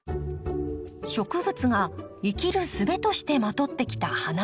植物が生きるすべとしてまとってきた花の色。